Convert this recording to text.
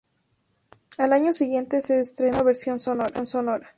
Al año siguiente, se estrenó una versión sonora.